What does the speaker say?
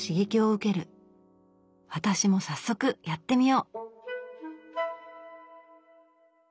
私も早速やってみよう！